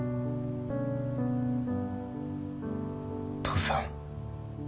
父さん